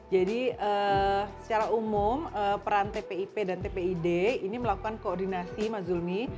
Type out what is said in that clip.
jadi secara umum peran tpip dan tpid ini melakukan koordinasi mas zulmi